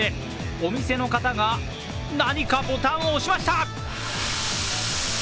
お店の方が、何かボタンを押しました。